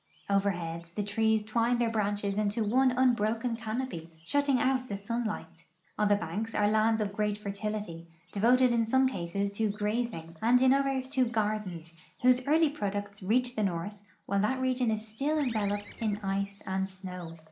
Overhead the trees twine their branches into one unbroken canopy, shutting out the sunlight. On the banks are lands of great fertility, devoted in some cases to grazing and in others to gardens, whose early products reach the north while that region is still enveloped in ice and snow.